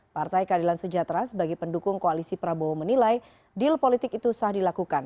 partai keadilan sejahtera sebagai pendukung koalisi prabowo menilai deal politik itu sah dilakukan